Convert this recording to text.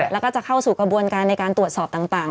แล้วก็จะเข้าสู่กระบวนการในการตรวจสอบต่าง